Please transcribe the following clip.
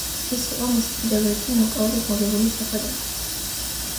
ეს იყო მისი კიდევ ერთი ნოკაუტით მოგებული შეხვედრა.